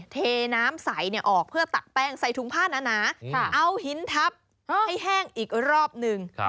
เทน้ำใสออกเพื่อตักแป้งใส่ถุงผ้าหนาเอาหินทับให้แห้งอีกรอบหนึ่ง